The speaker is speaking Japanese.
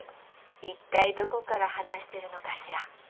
一体どこから話してるのかしら？